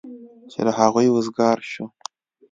چې له هغوی وزګار شو.